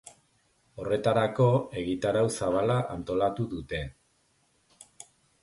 Horretarako, egitarau zabala antolatu dute.